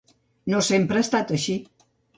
No sempre ha estat així.